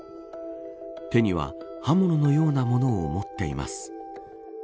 手には刃物のようなものを持っています。